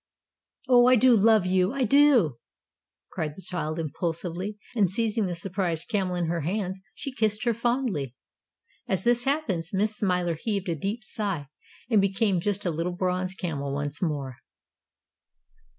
"Oh, I do love you, I do!" cried the child, impulsively, and seizing the surprised Camel in her hands, she kissed her fondly. As this happened, Miss Smiler heaved a deep sigh, and became just a little bronze camel once more.